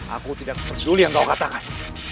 aku tidak sesul yang kau katakan